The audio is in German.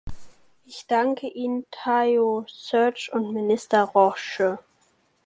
Ich danke Ihnen, Taoiseach und Minister Roche.